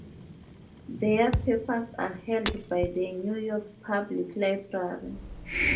Their papers are held by the New York Public Library.